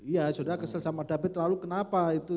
iya saudara kesel sama david lalu kenapa itu